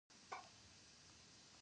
د استخباراتو رییس دنده څه ده؟